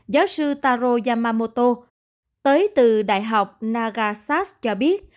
giáo sư taro yamamoto tới từ đại học nagasas cho biết